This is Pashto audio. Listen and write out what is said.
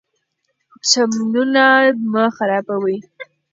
چمنونه مه خرابوئ.